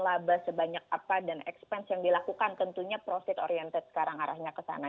laba sebanyak apa dan expense yang dilakukan tentunya profit oriented sekarang arahnya ke sana